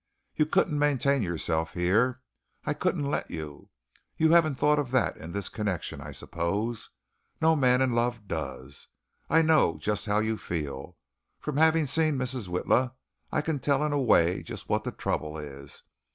You couldn't maintain yourself here. I couldn't let you. You haven't thought of that in this connection, I suppose. No man in love does. I know just how you feel. From having seen Mrs. Witla, I can tell in a way just what the trouble is.